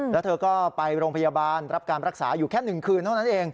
แล้วเธอก็ไปโรงพยาบาลรับการรักษาอยู่แค่๑คืนเท่านั้นเอง